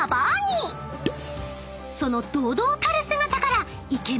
［その堂々たる姿から］